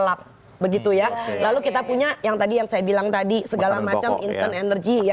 lalap merupakan b stages yang tadi lain